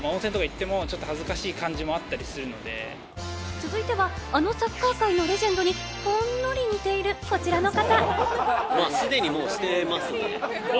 続いては、あのサッカー界のレジェンドに、ほんのり似ているこちらの方。